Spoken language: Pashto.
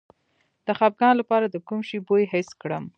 د خپګان لپاره د کوم شي بوی حس کړم؟